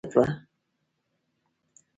خدۍ د دښمنۍ د خېمې مرانده او بنسټ وه.